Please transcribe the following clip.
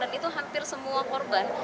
dan itu hampir semua korban